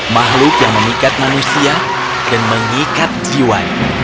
makhluk yang mengikat manusia dan mengikat jiwa